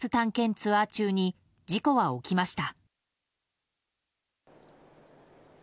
ツアー中に事故は起きました。